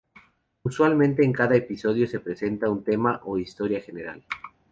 Usualmente en cada episodio, se presenta un tema o historia general.